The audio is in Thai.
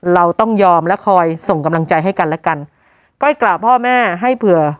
เราต้องยอมและคอยส่งกำลังใจให้กันและกันก้อยกล่าวพ่อแม่ให้เผื่อ